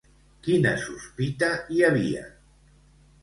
Quina sospita hi havia?